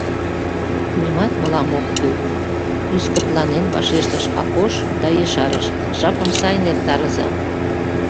— Нимат мылам ок кӱл, — ӱскыртланен вашештыш Акош да ешарыш: — Жапым сайын эртарыза.